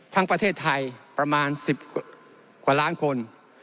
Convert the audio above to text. ทั้งประเทศไทยประมาณ๑๐กว่าล้านคน